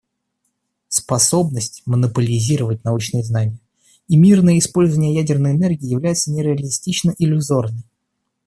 Способность монополизировать научные знания и мирное использование ядерной энергии является нереалистично иллюзорной.